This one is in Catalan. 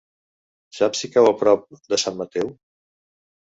Saps si cau a prop de Sant Mateu?